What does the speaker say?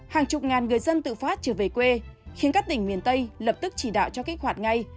hàng chục ngàn người dân tự phát trở về quê khiến các tỉnh miền tây lập tức chỉ đạo cho kích hoạt ngay